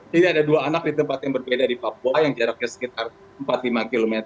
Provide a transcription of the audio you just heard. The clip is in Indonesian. jadi ada dua anak di tempat yang berbeda di papua yang jaraknya sekitar empat lima km